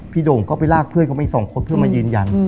โด่งก็ไปลากเพื่อนเขามาอีก๒คนเพื่อมายืนยัน